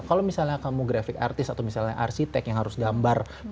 kalau misalnya kamu graphic artist atau misalnya arsitek yang harus nge review laptop